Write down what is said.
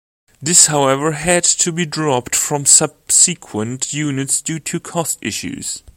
This however had to be dropped from subsequent units due to cost issues.